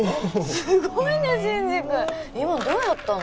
すごいね真司君今のどうやったの？